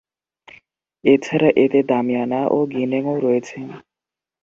এছাড়া, এতে দামিয়ানা ও গিনেংও রয়েছে।